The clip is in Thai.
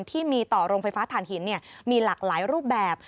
ที่มีต่อโรงไฟฟ้าฐานหินมีหลากหลายรูปแบบ